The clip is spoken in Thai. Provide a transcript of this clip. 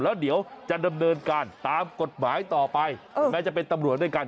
แล้วเดี๋ยวจะดำเนินการตามกฎหมายต่อไปแม้จะเป็นตำรวจด้วยกัน